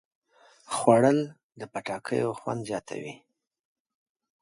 خوړل د پټاکیو خوند زیاتوي